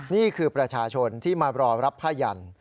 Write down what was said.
นี่คือประชาชนที่มารอรับผ้ายัน